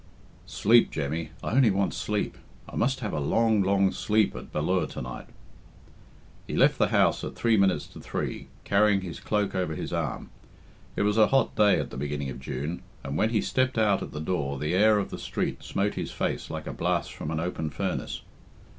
"Sleep, Jemmy I only want sleep. I must have a long, long sleep at Ballure to night." He left the house at three minutes to three, carrying his cloak over his arm. It was a hot day at the beginning of June, and when he stepped out at the door the air of the street smote his face like a blast from an open furnace.